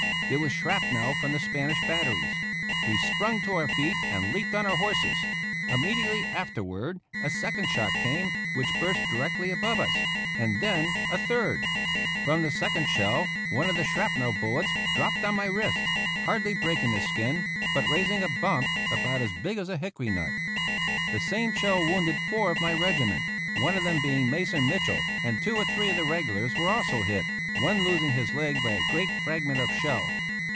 It was shrapnel from the Spanish batteries. We sprung to our feet and leaped on our horses. Im mediately afterward a second shot came which burst directly above us; and then a third. From the second shell one of the shrapnel bullets dropped 117 THE ROUGH RIDERS on my wrist, hardly breaking the skin, but raising a bump about as big as a hickory nut. The same shell wounded four of my regiment, one of them being Mason Mitchell, and two or three of the regulars were also hit, one losing his leg by a great fragment of shell.